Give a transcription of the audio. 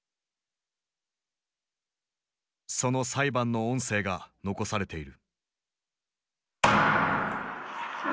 その裁判の音声が残されている。